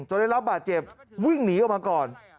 ได้รับบาดเจ็บวิ่งหนีออกมาก่อน